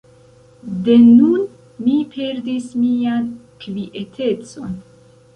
De nun, mi perdis mian kvietecon.